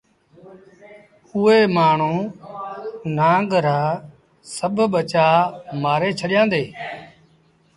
اُئي مآڻهوٚٚݩ نآݩگ رآ سڀ ٻچآ مآري ڇڏيآݩدي